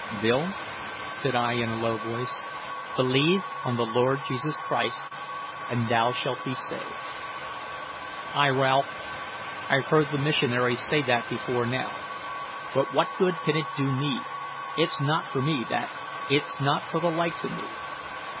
"Bill," said I in a low voice, "`Believe on the Lord Jesus Christ, and thou shalt be saved.'" "Ay, Ralph, I've heard the missionaries say that before now; but what good can it do me? It's not for me, that; it's not for the likes o' me."